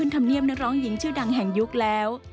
ธรรมเนียมนักร้องหญิงชื่อดังแห่งยุคแล้ว